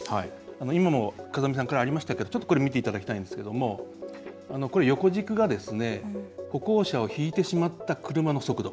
今も風見さんからありましたがこれを見ていただきたいんですが横軸が歩行者をひいてしまった車の速度。